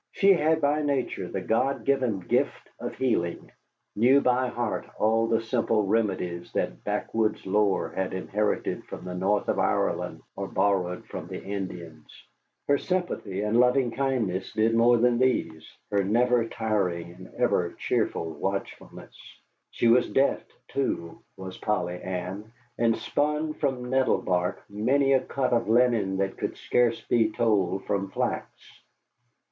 She had by nature the God given gift of healing, knew by heart all the simple remedies that backwoods lore had inherited from the north of Ireland or borrowed from the Indians. Her sympathy and loving kindness did more than these, her never tiring and ever cheerful watchfulness. She was deft, too, was Polly Ann, and spun from nettle bark many a cut of linen that could scarce be told from flax.